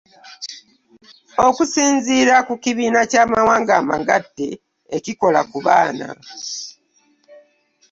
Okusinziira ku kibiina ky'amawanga amagatte ekikola ku baana